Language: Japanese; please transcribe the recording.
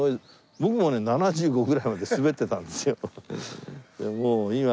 僕もね７５ぐらいまで滑ってたんですよ。